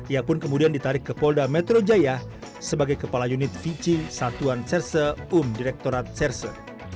ia pun kemudian ditarik ke polda metro jaya sebagai kepala unit fiji satuan serse um direktorat serse